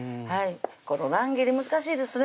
この乱切り難しいですね